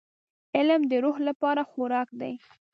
• علم د روح لپاره خوراک دی.